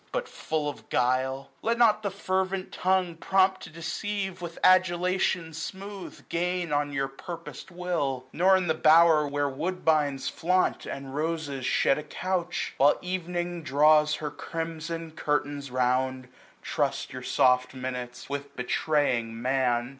But full of guile. Let not the fervent tongue. Prompt to deceive, with adulation smooth, 975 Gain on your purposed will. Nor in the bower, 38 SPRING. Where woodbinds flaunt, and roses shed a couch, While evening draws her crimson curtains round, Trust your soft minutes with betraying Man.